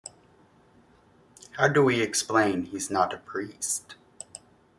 '; 'How do we explain he's not a priest?